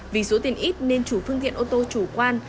vì số tiền ít nên chủ phương tiện ô tô chủ quan